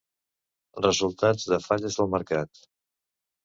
Resultats de falles del mercat.